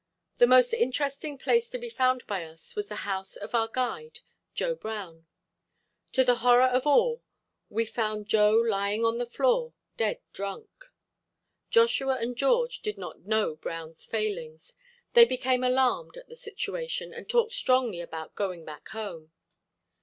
The most interesting place to be found by us was the house of our guide, Joe Brown. To the horror of all we found Joe lying on the floor dead drunk. Joshua and George did not know Brown's failings; they became alarmed at the situation and talked strongly about going back home.